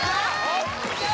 ＯＫ！